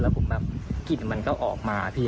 ผมแบบกลิ่นมันก็ออกมาพี่